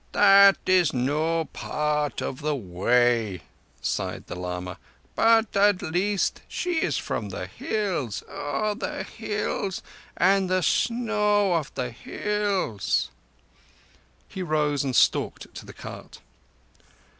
"That is no part of the Way," sighed the lama. "But at least she is from the Hills. Ah, the Hills, and the snow of the Hills!" He rose and stalked to the cart.